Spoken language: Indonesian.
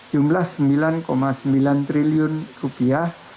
jumlah sembilan sembilan triliun rupiah